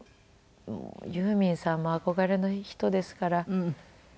ユーミンさんも憧れの人ですから。